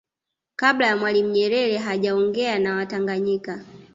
Kabla ya Mwalimu Nyerere hajaongea na watanganyika